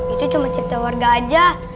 itu cuma cerita warga aja